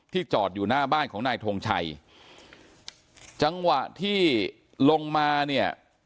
จอดอยู่หน้าบ้านของนายทงชัยจังหวะที่ลงมาเนี่ย